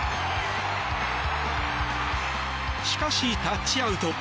しかしタッチアウト。